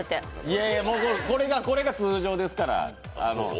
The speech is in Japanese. いやいや、これが通常ですから。